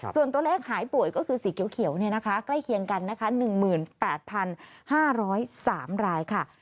ส่วนตัวเลขหายป่วยก็คือสีเขียวใกล้เคียงกันนะคะ๑๘๕๐๓รายค่ะ